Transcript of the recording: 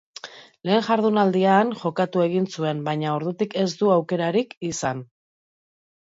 Lehen jardunaldian jokatu egin zuen, baina ordutik ez du aukerarik izan.